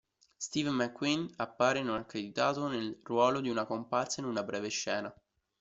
Steve McQueen appare, non accreditato, nel ruolo di una comparsa in una breve scena.